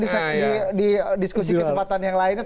di diskusi kesempatan yang lainnya